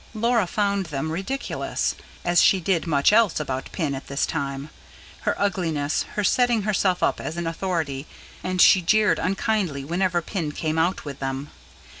Laura found them ridiculous, as she did much else about Pin at this time: her ugliness, her setting herself up as an authority: and she jeered unkindly whenever Pin came out with them.